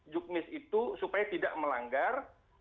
jukmis itu supaya tidak melanggar